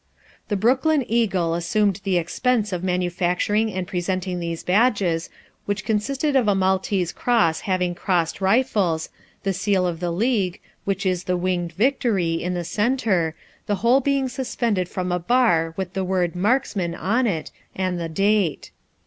The Brooklyn Eagle assumed the expense of manufacturing and presenting these badges, which consisted of a Maltese cross having crossed rifles, the seal of the league, which is the "Winged Victory," in the center, the whole being suspended from a bar with the word "Marksman" on it, and the date.